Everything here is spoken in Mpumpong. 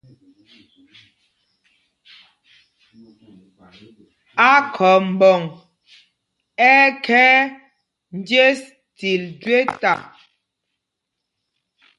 Akhɔmbɔŋ ɛ́ ɛ́ khɛɛ njes til jweta.